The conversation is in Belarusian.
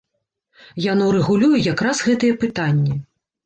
Яно рэгулюе як раз гэтыя пытанні.